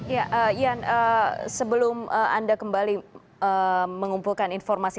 ya ian sebelum anda kembali mengumpulkan informasi